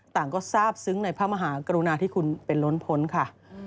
ต่างก็ทราบซึ้งในพระมหากรุณาที่คุณเป็นล้นพ้นค่ะ